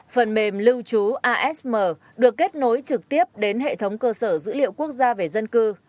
phần mềm lưu trú asm được kết nối trực tiếp đến hệ thống cơ sở dữ liệu quốc gia về dân cư